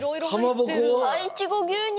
いちご牛乳！